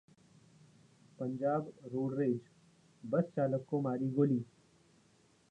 Punjab road rage bus चालक को मारी गोली